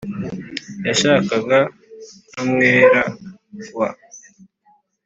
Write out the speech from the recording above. Yashakanye n’umwera w